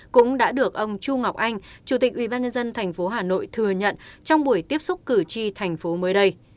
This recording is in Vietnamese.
cũng đã được ông chu ngọc anh chủ tịch ybnd tp hà nội thừa nhận trong buổi tiếp xúc cử tri tp mới đây